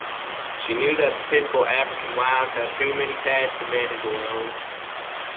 She knew that the typical African wives had too many tasks to manage alone.